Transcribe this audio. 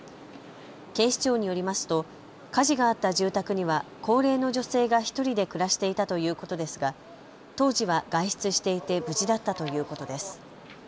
警視庁によりますと火事があった住宅には高齢の女性が１人で暮らしていたということですが当時は外出していて無事だったということです。